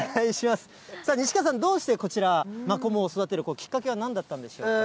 さあ、西方さん、どうしてこちら、マコモを育てるきっかけはなんだったんでしょうか。